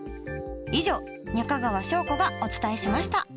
以上中川翔子がお伝えしました。